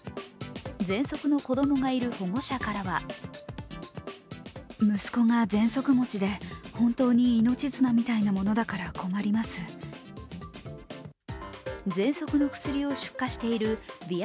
ぜんそくの子供がいる保護者からはぜんそくの薬を出荷しているヴィア